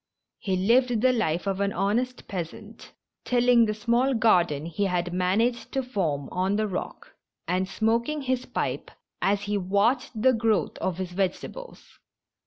He lived the life of an honest peasant, tilling the small garden he had managed to form on the rock, and smoking his pipe as he watched the growth of his vegetables.